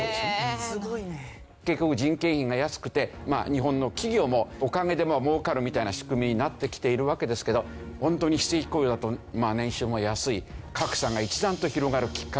結局人件費が安くて日本の企業もおかげでもうかるみたいな仕組みになってきているわけですけど本当に非正規雇用だと年収も安い。